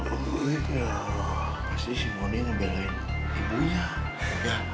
oh iya pasti si moni ngebelain ibunya